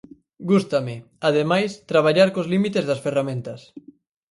Gústame, ademais, traballar cos límites das ferramentas.